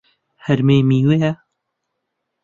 هەرمێ میوەیە.